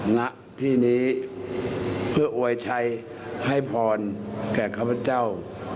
ณที่นี้เพื่ออวยชัยให้พรแก่ข้าพเจ้า